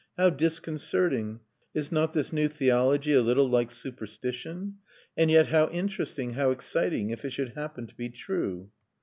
How disconcerting! Is not this new theology a little like superstition? And yet how interesting, how exciting, if it should happen to be true!